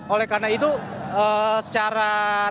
oleh karena itu secara